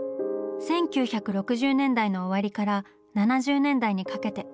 １９６０年代の終わりから７０年代にかけて。